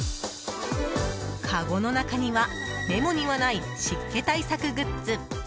かごの中には、メモにはない湿気対策グッズ。